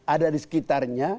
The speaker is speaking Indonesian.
ada di sekitarnya